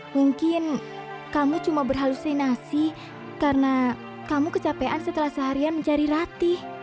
mungkin kamu cuma berhalusinasi karena kamu kecapean setelah seharian mencari ratih